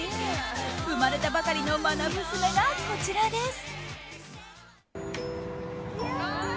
生まれたばかりの愛娘がこちらです。